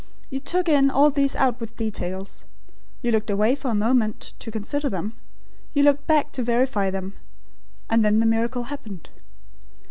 You took in all these outward details; you looked away for a moment, to consider them; you looked back to verify them; and then the miracle happened.